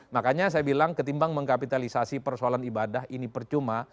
makanya saya bilang ketimbang mengkapitalisasi persoalan ibadah ini percuma